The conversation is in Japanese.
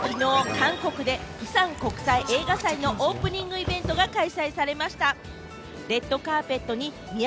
韓国でプサン国際映画祭のオープニングイベントが開催されました。